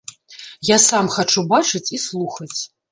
Я сам хачу бачыць і слухаць.